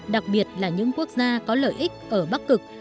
đặc biệt là những quốc gia có lợi ích ở bắc cực